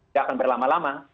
tidak akan berlama lama